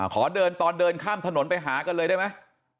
ขอเดินตอนเดินข้ามถนนไปหากันเลยได้ไหม